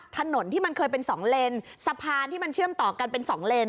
ถนนที่มันเคยเป็นสองเลนสะพานที่มันเชื่อมต่อกันเป็นสองเลน